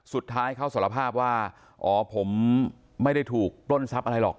สุดท้ายเขาสารภาพว่าอ๋อผมไม่ได้ถูกปล้นทรัพย์อะไรหรอก